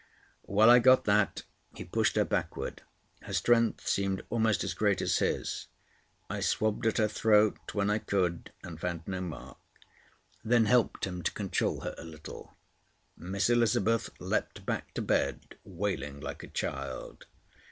While I got that he pushed her backward. Her strength seemed almost as great as his. I swabbed at her throat when I could, and found no mark; then helped him to control her a little. Miss Elizabeth leaped back to bed, wailing like a child.